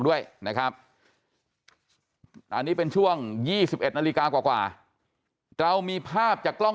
ด้วยนะครับอันนี้เป็นช่วง๒๑นาฬิกากว่าเรามีภาพจากกล้อง